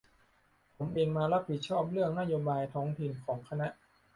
ผมเองมารับผิดชอบเรื่องนโยบายท้องถิ่นของคณะ